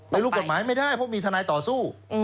ไม่รู้กฎหมายไม่ได้เพราะมีทนายต่อสู้